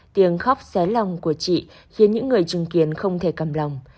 tiếng khóc xé lòng của chị khiến những người chứng kiến không thể cầm lòng